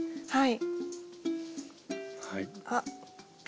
はい。